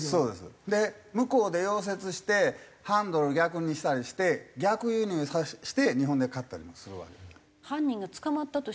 向こうで溶接してハンドル逆にしたりして逆輸入して日本で買ったりもするわけ。